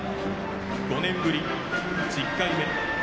５年ぶり１０回目。